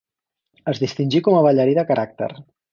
Es distingí com a ballarí de caràcter.